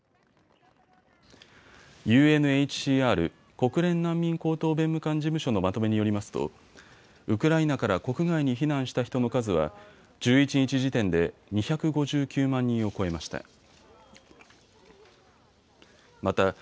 ＵＮＨＣＲ・国連難民高等弁務官事務所のまとめによりますとウクライナから国外に避難した人の数は１１日時点で２５９万人を超えました。